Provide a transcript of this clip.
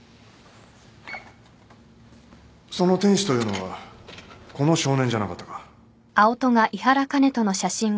その天使というのはこの少年じゃなかったか？